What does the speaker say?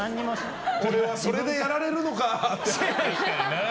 俺、それでやられるのかって。